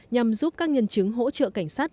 nhằm giúp các nhân chứng hỗ trợ cảnh sát